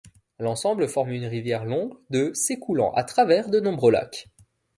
L'ensemble forme une rivière longue de s'écoulant à travers de nombreux lacs.